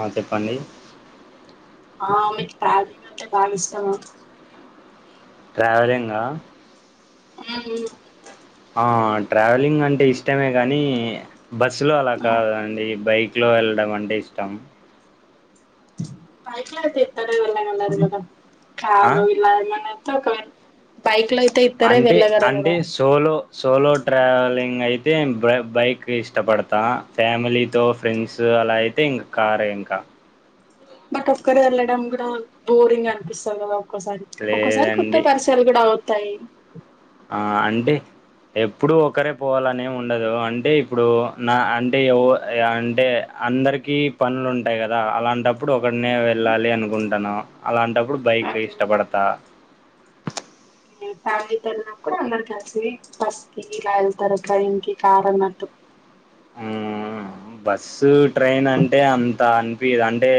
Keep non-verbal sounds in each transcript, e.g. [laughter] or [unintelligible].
ఆ చెప్పండి ఆ మీకు ట్రావెలింగ్ అంటే భాగ ఇష్టమా ట్రావెలింగ్ హా హమ్ మ్మ ట్రావెలింగ్ అంటే ఇష్టమే కానీ బస్సులో అలా ఉమ్. కాదండి బైక్ బైకులో వెళ్ళడం అంటే ఇష్టం బైక్ లో అయితే ఇతడ వెళ్ళల్దు కధ ఆ కారు ఇలా ఏమన్నా అయితే ఒకవేళ బైక్ లో అయితే ఇద్దరే అంటే వెళ్ళగలరు అంటే కదా సోలో సోలో ట్రావెలింగ్ అయితే బై బైక్ ఇష్టపడతా ఫ్యామిలీతో ఓకే. ఫ్రెండ్స్ అలాయి తే కారే ఇంకా బట్ ఒకరే వెళ్ళడం కూడా బోరింగ్ అనిపిస్తుంది కదా ఒక్కసారి ఒక్కసారి కొత్త లేదండి పరిసలు కూడా అవుతాయి ఆ అంటే ఎప్పుడు ఒకరే పోవాలనిమి ఉండదు అంటే ఇప్పుడు నా అంటే యావే అంటే అందరికి పనులు ఉంటాయి కదా అలాంటప్ అప్పుడు ఒకడినే అవును. వెళ్ళాలి అనుకుంటాను అలాంటప్పుడు బైక్ ఓకే ఇష్టపడతా ఫ్యామిలీ తో వెళ్ళినప్పుడు అందరు కలిసి ఫస్ట్ కి ఇలా వెళ్తారు ట్రైన్ కి కార అన్నట్టు ఉ ఆ బస్సు ట్రైన్ అంటే అంత అనిపియ్యదు అంటే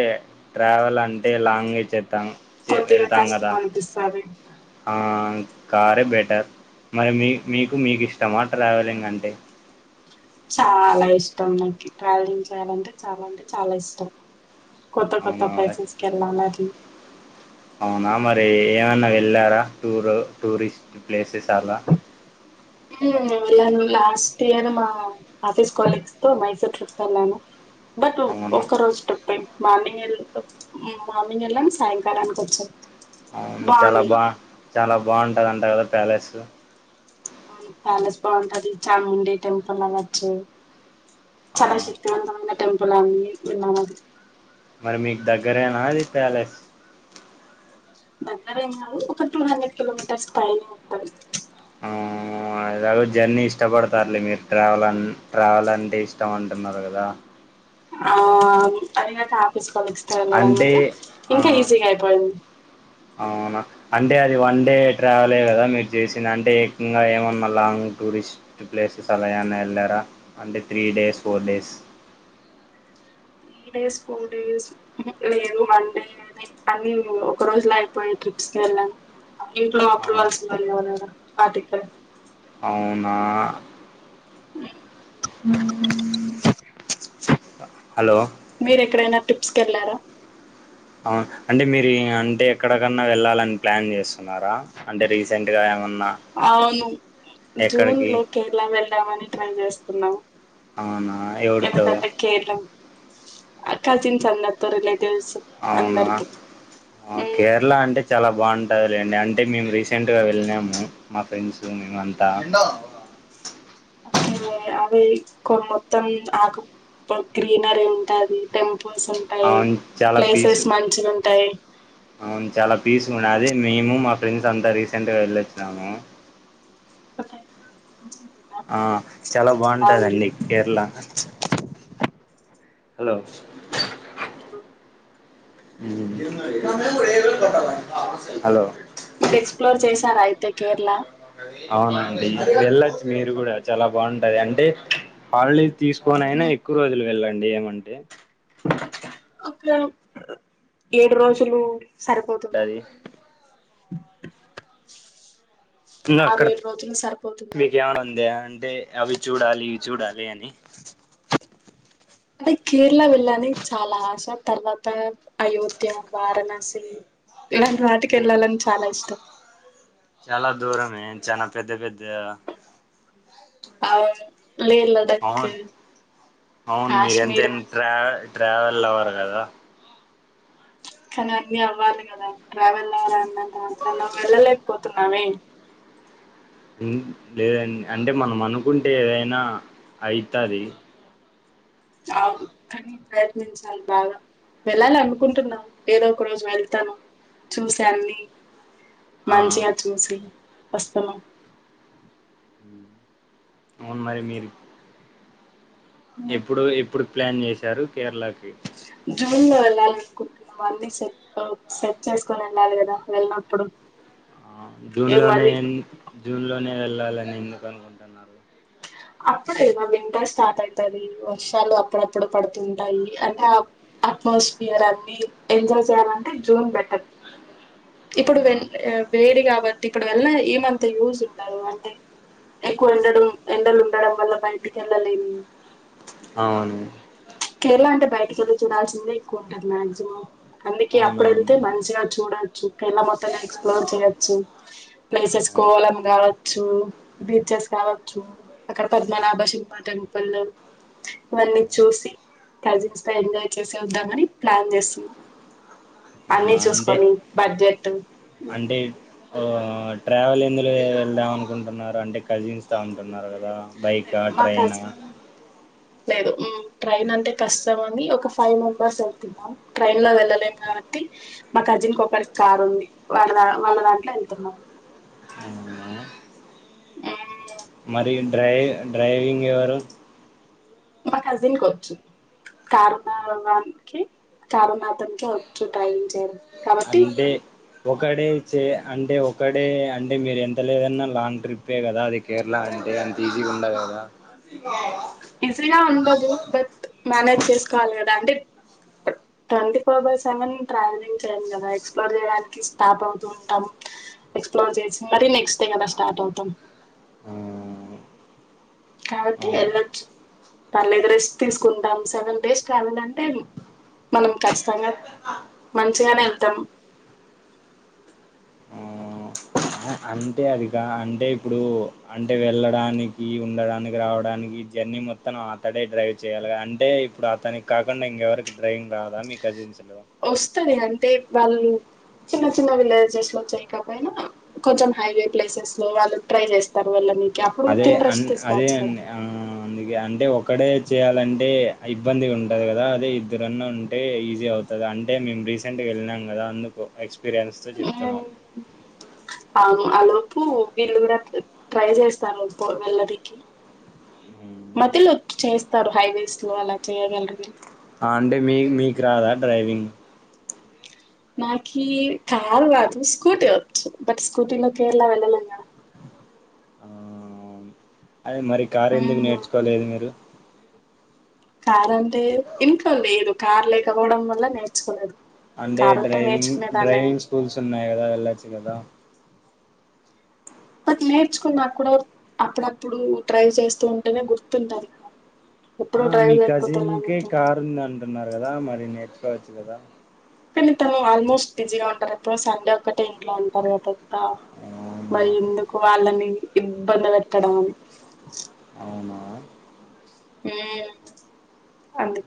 ట్రావెల్ అంటే లాంగ్వేజ్ చేస్తాం కొద్దిగా వెళ్తాం కష్టం కదా అనిపిస్తది ఆ కారే బెటర్ మరి మీ మీకు మీకు ఇష్టమా ట్రావెలింగ్ అంటే చాలా ఇష్టం నాకి ట్రావెలింగ్ చేయాలంటే చాలా అంటే చాలా ఇష్టం. కొత్త కొత్త అవునా ప్లేసెస్ కి వెళ్ళాం మది అవునా మరి ఏమన్నా వెళ్ళారా టూర్ టూరిస్ట్ ప్లేసెస్ అలా న లాస్ట్ ఇయర్ మా ఆఫీస్ కొలిగ్స్ తో మైసూర్ ట్రిప్ వెళ్ళాను. బట్ అవునా ఒక రోజు టిప్పే మార్మింగ్ వేల్ మార్మింగ్ వెళ్ళాం సాయంకాలానికి వచ్చారు అవును చాలా బా చాలా బాగుంటది అంటా కదా ప్యాలెసు ఆవును ప్యాలెస్ బాగుంటది చాముండి టెంపుల్ అవొచు ఆ చాలా శక్తివంతమైన టెంపుల్ అని విన్నామ మరి మీకు దగ్గరేనా అది ప్యాలెస్ దగ్గరేం కాదు. ఒక టూ హండ్రెడ్ కిలోమీటర్స్ పైనే ఉంటది. ఆ ఎలాగో జర్నీ ఇష్టపడతారులే మీరు ట్రావెల్ అన్ ట్రావెల్ అంటే ఇష్టం అంటున్నారు కదా ఆ పదిగంటల ఆఫీస్ కలిస్ తో వెళ్ళడం అంటే వల్ల ఆ ఇంకా ఈజీగా అయిపోయింది అవునా అంటే అది వన్ డే ట్రావెల్ ఏ కదా మీరు చేసింది. అంటే ఇంగా ఏమన్నా లాంగ్ టూర్ టూరిస్ట్ ప్లేసెస్ అలా ఏవన్నా వెళ్ళారా అంటే three days, four days. Three days four days లేదు. వన్ డే అన్ని ఒక రోజులా అయిపోయాయి ట్రిప్స్. వెళ్ళాలి ఇంట్లో అప్పుడు వలసి వాళ్ళు ఎవ్వాలద పాటిక్క అవునా హలో మీరు ఎక్కడైనా ట్రిప్స్ కి వెళ్ళారా అవు అంటే మీరు అంటే ఎక్కడకన్నా వెళ్ళాలని ప్లాన్ చేస్తున్నారా అంటే రీసెంట్ అవును జూన్ ఎక్కడికి లో కేరళ వెళదామని ట్రై చేస్తున్నాము. అవునా ఎవడుతో ఆ కజన్స్ అందరితో రిలేట్ అవునా ఉమ్, కేరళ అంటే చాలా బాగుంటుందలేండి. అంటే మేము రీసెంట్గా వెళ్ళినాము. మా ఫ్రెండ్స్ మేము అంతా. అకే యాభై కొ మొత్తం ఆగ ఇప్పుడు గ్రీనరీ ఉంటాది. టెంపుల్స్ ఉంటాయి. అవును చాలా పీస్ ప్లేసెస్ మంచిగ ఉంటాయి అవును చాలా పీస్ ఉన్నా అది మేము మా ఫ్రెండ్స్ అంతా రీసెంట్ గా వెళ్ళొచ్చినాము. పత ఆ చాలా బాగుంటదండి కేరళ హలో హలో హలో మీరు ఎక్స్ప్లోర్ చేసారా అయితే కేరళ అవునండి వెళ్ళొచ్చు. మీరు కూడా చాలా బాగుంటది. అంటే పళ తీసుకోనైనా ఎక్కువ రోజులు వెళ్ళండి ఏమంటే అక్కడ ఏడు రోజులు సరిపోతుంద అది ఇగ అక్కడ రోజులు సరిపోతుందా మికమైన ఉంద అంటే అవి చూడాలి ఇవి చూడాలి అని అదే కేరళ వెళ్ళలి అని చాలా ఆశ తర్వాత అయోధ్య, వారణాసి. ఇలాంటి వాటిక వెళ్ళాలని చాలా ఇష్టం. చాలా దూరమే చానా పెద్ద పెద్ద అవును లే లడక్ అవును అవును మీరు కాశ్మీర్ ఎంతైనా ట్రా ట్రావెల్ అవ్వరు కదా కానీ అన్నీ అవ్వాలి కదా ట్రావెల్ అవ్వాలన్నంత మాత్రన వెళ్ళలేకపోతున్నామ లేదండి అంటే మనం అనుకుంటే ఏదైనా అవుతుంది కానీ ప్రయత్నించాలి బాగా వెళ్ళాలి అనుకుంటున్నాం ఏదో ఒక రోజు వెళ్తాను చూస్తా అన్ని ఆ మంచిగ చూసి వస్తన్నం అవును మరి మీరు ఎప్పుడు ఎప్పుడు ప్లాన్ చేశారు కేరళకి జూ అది వెళ్ళాలనుకుంటున్నాము అన్ని సెట్ సెట్ చేసుకుని వెళ్ళాలి కదా వెళ్ళినప్పుడు ఆ జూన్ ఏ లోనే మరి ఎ జూన్ లోనే వెళ్ళాలని ఎందుకు అనుకుంటున్నారు అప్పుడేదో వింటర్ స్టార్ట్ అవుతది వర్షాలు అప్పుడప్పుడు పడుతుంటాయి అంటే అప్ అట్మస్ఫియర్ అన్ని ఎంజాయ్ చేయాలంటే జూన్ బెటర్ ఇప్పుడు అవునా వె వేడి కాబ ఇప్పుడు వెల్ల ఏమంతా యూస ఉండదు అంటే ఎక్కువ ఉండడు ఎండలు ఉండడం వల్ల బయటికి వెళ్ళలేదు అవును కేరళ అంటే బయటకెళ్ళి చూడాల్సిందే ఎక్కువ ఉంటది మాక్సిమం అందుకే అవునవును అప్పుడెళ్తే మంచిగా చూడచ్చు కేరళ మొత్తం ఎక్స్ప్లోర్ చేయొచ్చు ప్లేసెస్ ఆ కోలం కావచ్చు బీచెస్ కావచ్చు అక్కడ ఆ, పద్మనాభ సింహ టెంపుల్ ఇవన్నీ చూసి కజిన్స్ తో ఎంజాయ్ చేసే వద్దామని ప్లాన్ చేస్తున్నాం అన్నీ అవునా అంటే చూసుకోని బర్త్డే అట్ అంటే ట్రావెల్ ఎందులో వెళ్దాం అనుకుంటున్నారు అంటే కలిస్తామంటున్నారు కదా బైకా, మా ట్రైనా కజిన్ లేదు ట్రైన్ అంటే కష్టం అని ఒక ఫైవ్ మెంబర్స్ వెళ్తున్నాం ట్రైన్ లో వెళ్ళలేకా బట్టి మా కజిన్ కు ఒకరికి కార్ ఉంది వాళ్ళ వాళ్ళ దాంట్లో వెళ్తున్నాము అవునా [unintelligible] మరి డ్రై డ్రైవింగ్ ఎవరు మా కజిన్ కి వచ్చు కారు ఉన్న వానికి కారు మాత్రంకే వచ్చు డ్రైవింగ్ చేయడం కాబట్టి అంటే ఒకడే చే అంటే ఒకడే అంటే మీరు ఎంత లేదన్నా లాంగ్ ట్రిప్పే కదా అది కేరళ ఏ అంత ఈజీగా ఉండదు కదా ఈజీగా ఉండదు బట్ మేనేజ్ చేసుకోవాలి కదా అంటే twenty four by seven travelling చేయం కదా ఎక్స్ప్లోర్ చేయడానికి స్టాప్ అవుతూ ఉంటాం ఎక్స్ప్లోర్ చేసి మరీ నెక్స్ట్ డే కదా స్టార్ట్ అవుతాం ఆ కాబట్టి అవును వెళ్ళొచ్చు పర్లేదు రెస్ట్ తీసుకుంటాం సెవెన్ డేస్ ట్రావెల్ అంటే మనం ఖచ్చితంగా మంచిగానే వెళ్తాం ఆ అంటే అదిగా అంటే ఇప్పుడు అంటే వెళ్ళడానికి ఉండడానికి రావడానికి జన్ ని మొత్తం అతడే డ్రైవ్ చేయాలగా అంటే ఇప్పుడు అతనికి కాకుండా ఇంకెవరి డ్రైవింగ్ రాదా మీ కసిన్స్ వస్తుంది అంటే వాళ్ళు చిన్న చిన్న విలేజెస్ లో చేయకపోయినా కొంచెం హైవే ప్లేసెస్ లో వాళ్ళు డ్రైవ్ చేస్తారు వాళ్ళ మీ అదే అ అదే అండి ఆ అందుకే అంటే ఒకడే చేయాలంటే ఇబ్బందిగా ఉంటుంది కదా అదే ఇద్దరన్న ఉంటే ఈజీ అవుతుంది అంటే మేము రీసెంట్గా వెళ్ళినాం కదా అందుకు ఎక్స్పీరియన్స్ తో చెప్తున్నాం ఆ లోపు వీళ్ళు కూడా ట్రై చేస్తారు వెళ్ళడికి ఉమ్. మధ్యలో చేస్తారు హైవేస్ లో అలా చేయ్యగలరు వీళ్ళు అండి మీకు మీకు రాదా డ్రైవింగ్ నాకి కార్ రాదు స్కూటీ వచ్చు బట్ స్కూటీలో కేరళ వెళ్ళలేం కదా ఆ అదే మరి కారు ఎందుకు కదా నేర్చుకోలేదు మీరు కార్ అంటే ఇంట్లో లేదు కార్ లేకపోవడం వల్ల నేర్చుకోలేదు అంటే కారు ఉంటే డ్రైవింగ్ నేర్చుకునేదాన్నేమో డ్రైవింగ్ స్కూల్స్ ఉన్నాయి కదా వెళ్ళొచ్చు కదా అట్ల నేర్చుకున్నా కూడా అప్పుడప్పుడు డ్రైవ్ చేస్తూ ఉంటేనే గుర్తుంటది ఎప్పుడూ ఆ డ్రైవ్ మీ చేయకపోతే ఎలా కజిన్కి గుర్తుంటది కార్ ఉందాంటున్నారు కదా మరి నేర్చుకోవచ్చు కదా కానీ తను ఆల్మోస్ట్ బిజీగా ఉంటారు ఎప్పుడు సండే ఒక్కటే ఇంట్లో ఉంటారు కదా ఆ అవునా మళ్ళీ ఎందుకు వాళ్ళని ఇబ్బంది పెట్టడం అని అవునా ఉమ్ అందు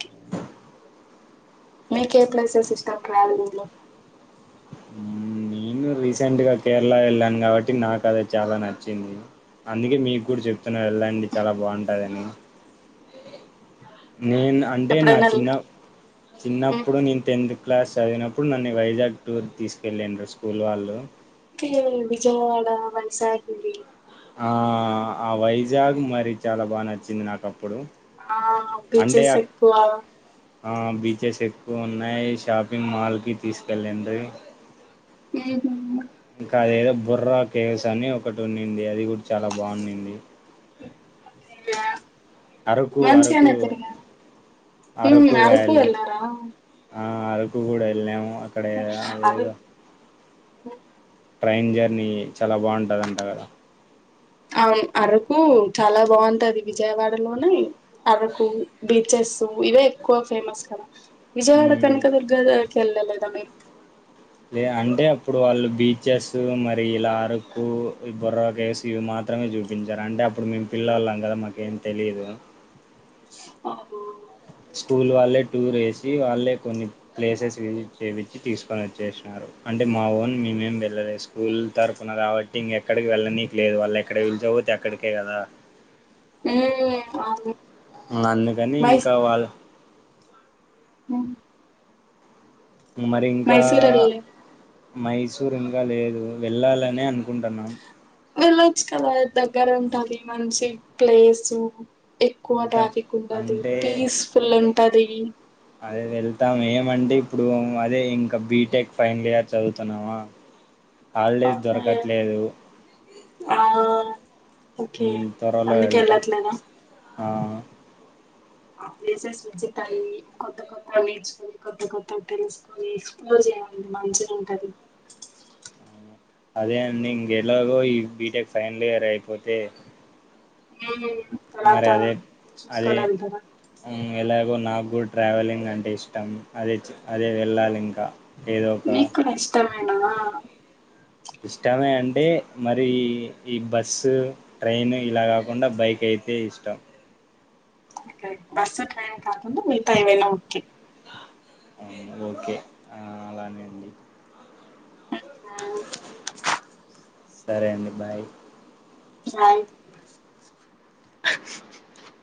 మీకు ఏ ప్లేసెస్ ఇష్టం ట్రావెలింగ్ లో ఉమ్ నేను రీసెంట్ గా కేరళ వెళ్ళాను కాబట్టి నాకు అదే చాలా నచ్చింది అందుకే మీకు కూడా చెప్తున్నా వెళ్ళండి చాలా బాగుంటాదని అ నేను అంటే నా చిన్న మ్మ్ చిన్నప్పుడు నేను టెన్త్ కు క్లాస్ చదివినప్పుడు నన్ను వైజాగ్ టూర్ కి తీసుకెళ్ళిండ్రు స్కూల్ వాళ్ళు ఉమ్ విజయవాడ వైశాగ్విటి ఆ వైజాగ్ మరి చాలా బాగా నచ్చింది నాకు అప్పుడు ఆ అంటే బీచెస్ ఎక్కువ ఆ బీచెస్ ఎక్కువ ఉన్నాయి షాపింగ్ మాల్ కి తీసుకెళ్ళండ్రి ఉహూ ఇంకా అదేదో బుర్రా కేవ్స్ అని ఒకటి ఉన్నింది అది కూడా చాలా బాగున్నింది అేవ అరకు అరకు మంచిగనే తిరిగారు ఉమ్ అరకు వెళ్ళారా ఆ అరకు కూడా వెళ్ళాము అక్కడ అదేదో ఉమ్ ట్రైన్ జర్నీ చాలా బాగుంటుందంట కదా అవును అరకు చాలా బాగుంటది విజయవాడలోనే అరకు బీచెస్ ఇవే ఎక్కువ ఫేమస్ కదా విజయవాడ మ్మ్. కనకదుర్గ వెళ్ళ లేదా మీరు లే అంటే అప్పుడు వాళ్ళు బీచెస్ మరి ఇలా అరకు బొర్రా కేవ్స్ ఇవి మాత్రమే చూపించారు అంటే అప్పుడు మేము పిల్లోల్లం కదా మాకేం తెలీదు అహో స్కూల్ వాళ్ళే టూర్ వేసి వాళ్ళే కొన్ని ప్లేసెస్ విజిట్ చేపించి తీసుకొని వచ్చేసినారు అంటే మా ఓన్ మేమేం వెళ్ళలేదు స్కూల్ తరపున కాబట్టి ఇంకా ఎక్కడికి వెళ్ళనీయట్లేదు వాళ్ళు ఎక్కడి పిల్చా కపోతే అక్కడికే కదా ఉమ్ అవును అందుకని ఇంకా వాళ్ళ ఉమ్ మరి ఇంకా వెళ్ళలే మైస్ సురు ఇంకా లేదు వెళ్ళాలనే అనుకుంటున్నాం వెళ్ళొచ్చు కదా దగ్గర ఉంటాది మంచి ప్లేసు ఎక్కువ వెళ్తాం ట్రాఫిక్ ఉండదు అంటే పీస్ఫుల్ ఉంటది అదే వెళ్తాము ఏమంటే ఇప్పుడు అదే ఇంకా బీటెక్ ఫైనల్ ఇయర్ చదువుతున్నావా, హాలిడేస్ ఓకే దొరకట్లేదు, ఆ ఓకే త్వరలో అందుకే వెళ్తా వెళ్ళట్లేదా లేసస్ విజేతాయి కొత్త కొ నేర్చుకొని కొత్త కొత్తగా తెలుసుకొని ఎక్స్ప్లోర్ చేయాలి మంచిగా ఉంటది. [unintelligible] అదే అండి ఇంకెలాగో ఈ బీటెక్ ఫైనల్ ఇయర్ అయిపోతే, ఆ మరి అదే అదే ఉ ఎలా సో నాకు కూడా ట్రావెలింగ్ అంటే ఇష్టం అదే అదే వెళ్ళాలి ఇంకా ఏదో ఒక పోయినమా ఇష్టమే అంటే మరి ఈ బస్సు ట్రైన్ ఇలా కాకుండా బైక్ అయి అయితే ఇష్టం ఓకే బస్సు ట్రెన్ కాకుండా మీతాయివెళ్లడం ఓకే ఓకే అలానే అండి ఆ సరే అండి బాయ్ సై [unintelligible]